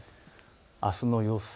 あすの予想